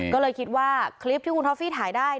ก็เลยคิดว่าคลิปที่คุณท็อฟฟี่ถ่ายได้